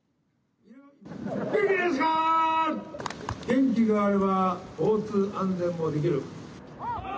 元気があれば交通安全もできる。